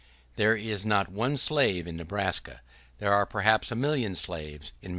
There is not one slave in Nebraska; there are perhaps a million slaves in Massachusetts.